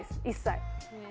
一切。